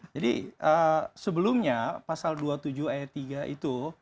jadi sebelumnya pasal dua puluh tujuh ayat tiga itu